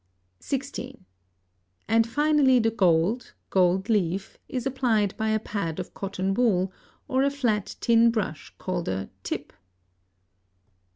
(16) And, finally, the gold (gold leaf) is applied by a pad of cotton wool, or a flat thin brush called a "tip."